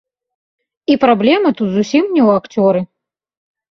І праблема тут зусім не ў акцёры.